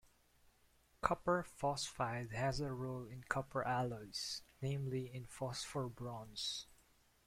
Copper phosphide has a role in copper alloys, namely in phosphor bronze.